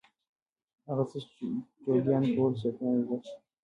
هغه څه چې جوګیانو کول صوفیانو زده کړل.